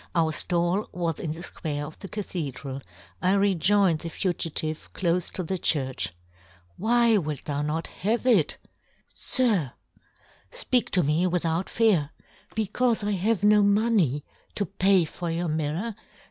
"Our flail was in the fquare of the " Cathedral ; I rejoined the fugitive " clofe to the church. * Why wilt *' thou not have it ?'' Sir—' * Speak " to me without fear.' * Becaufe I " have no money to pay for your " mirror.